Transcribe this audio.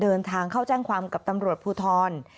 เดินทางเข้าแจ้งความกับตำรวจภูทร